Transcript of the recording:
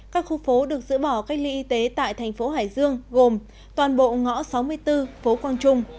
các khu phố được giữ bỏ cách ly y tế tại thành phố hải dương gồm toàn bộ ngõ sáu mươi bốn phố quang trung